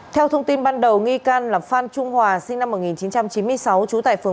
theo thông tin ban đầu nghi can là phan trung hòa sinh năm một nghìn chín trăm chín mươi sáu